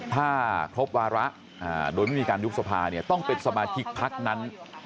ถ้าครบวาระโดยไม่มีการยุบสภาเนี่ยต้องเป็นสมาชิกพักนั้น